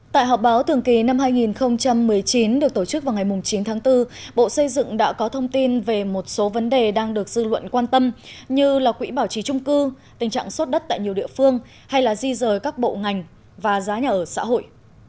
tại họp báo thường kỳ năm hai nghìn một mươi chín được tổ chức vào ngày chín tháng bốn bộ xây dựng đã có thông tin về một số vấn đề đang được dư luận quan tâm như là quỹ bảo trì trung cư tình trạng sốt đất tại nhiều địa phương hay là di rời các bộ ngành và giá nhà ở xã hội